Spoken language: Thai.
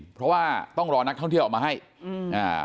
เพราะว่าต้องรอนักท่องเที่ยวออกมาให้อืมอ่า